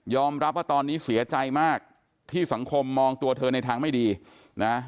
รับว่าตอนนี้เสียใจมากที่สังคมมองตัวเธอในทางไม่ดีนะ